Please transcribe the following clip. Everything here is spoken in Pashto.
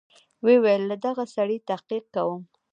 ويې ويل له دغه سړي تحقيق کوم.